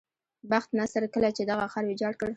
بخت نصر کله چې دغه ښار ویجاړ کړ.